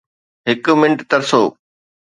هڪ منٽ ترسو